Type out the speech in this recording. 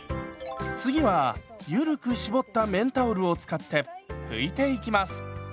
次はゆるく絞った綿タオルを使って拭いていきます。